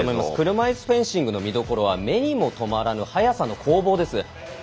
車いすフェンシングの見どころは目にもとまらぬ速さの攻防です。